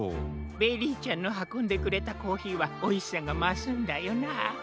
ベリーちゃんのはこんでくれたコーヒーはおいしさがますんだよなあ。